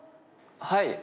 はい。